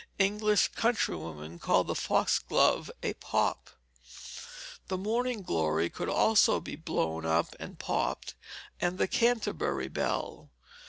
English countrywomen call the foxglove a pop. The morning glory could also be blown up and popped, and the canterbury bell.